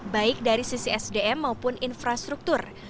baik dari sisi sdm maupun infrastruktur